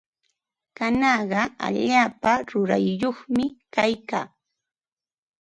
Kanaqa allaapa rurayyuqmi kaykaa.